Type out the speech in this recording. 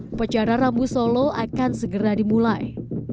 upacara rambu solo akan segera dimulai